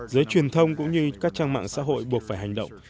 giới truyền thông cũng như các trang mạng xã hội buộc phải hành động